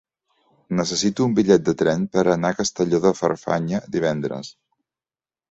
Necessito un bitllet de tren per anar a Castelló de Farfanya divendres.